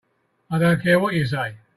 I don't care what you say.